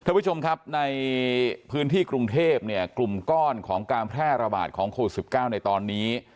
ท่านผู้ชมครับในพื้นที่กรุงเทพเนี่ยกลุ่มก้อนของการแพร่ระบาดของโควิด๑๙ในตอนนี้